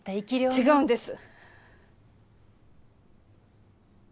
違うんです！